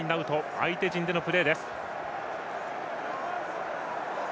相手陣でのプレーです。